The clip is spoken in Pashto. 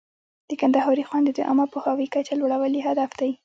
د کندهاري خویندو د عامه پوهاوي کچه لوړول یې هدف دی.